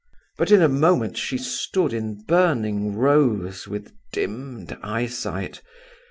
But in a moment she stood in burning rose, with dimmed eyesight.